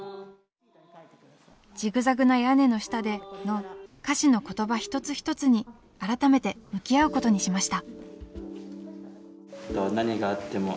「ジグザグな屋根の下で」の歌詞の言葉一つ一つに改めて向き合うことにしました。